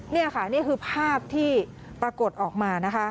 นี่ค่ะนี่คือภาพที่ปรากฏออกมานะคะ